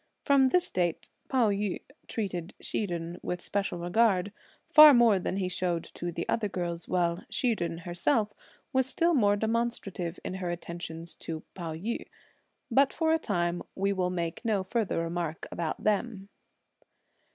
From this date, Pao yü treated Hsi Jen with special regard, far more than he showed to the other girls, while Hsi Jen herself was still more demonstrative in her attentions to Pao yü. But for a time we will make no further remark about them.